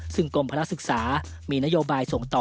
ซึ่งกลมพลักษณ์ศึกษามีนโยบายส่งต่อ